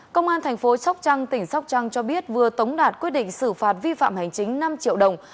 công an thành phố sóc trăng tỉnh sóc trăng cho biết vừa tống đạt quyết định xử phạt vi phạm hành chính năm triệu đồng